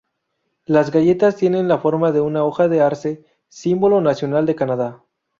Las galletas tienen la forma de una hoja de arce, símbolo nacional de Canadá.